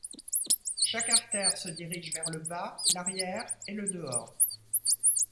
Chaque artère se dirige vers le bas, l’arrière et le dehors.